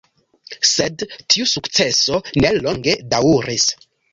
Sed tiu sukceso nelonge daŭris.